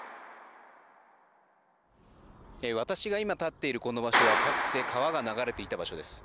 私が今、立っているこの場所はかつて川が流れていた場所です。